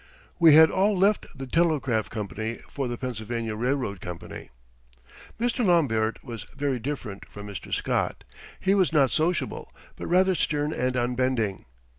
We had all left the telegraph company for the Pennsylvania Railroad Company. Mr. Lombaert was very different from Mr. Scott; he was not sociable, but rather stern and unbending.